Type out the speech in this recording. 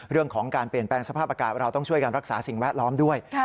เรื่องของการเปลี่ยนแปลงสภาพอากาศเราต้องช่วยการรักษาสิ่งแวดล้อมด้วย